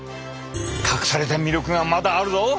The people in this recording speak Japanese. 隠された魅力がまだあるぞ！